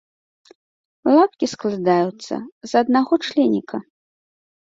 Лапкі складаюцца з аднаго членіка.